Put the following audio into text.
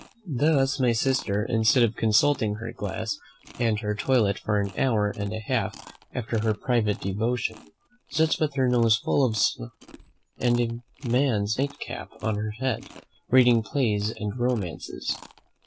Thus, my sister, instead of consulting her glass and her toilet for an hour and a half after her private devotion, sits with her nose full of snuff and a man's nightcap on her head, reading plays and romances.